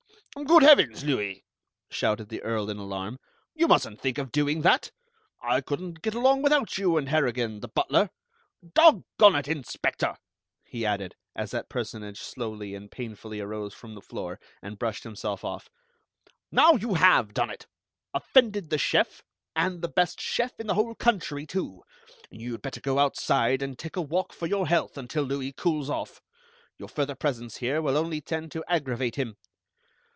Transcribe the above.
"Good Heavens, Louis!" shouted the Earl in alarm, "you mustn't think of doing that! I couldn't get along without you and Harrigan, the butler. Doggone it, Inspector," he added, as that personage slowly and painfully arose from the floor and brushed himself off, "now you have done it. Offended the chef, and the best chef in the whole country, too! You'd better go outside, and take a walk for your health until Louis cools off. Your further presence here will only tend to aggravate him.